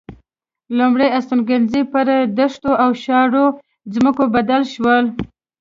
لومړ هستوګنځي پر دښتو او شاړو ځمکو بدل شول.